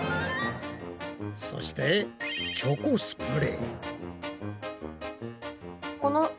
そしてチョコスプレー。